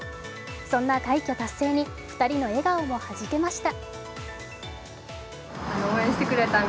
そんな快挙達成に２人の笑顔もはじけました。